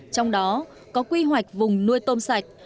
trong đó có quy hoạch vùng nuôi tôm sạch